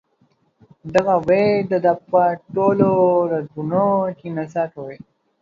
دغه ویر د ده په ټولو رګونو کې نڅا کوي.